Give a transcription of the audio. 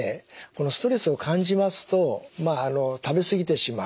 ストレスを感じますとまああの食べ過ぎてしまう。